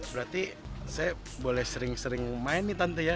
berarti saya boleh sering sering main nih tante ya